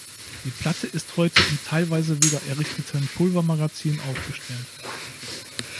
Die Platte ist heute im teilweise wieder errichteten Pulvermagazin aufgestellt.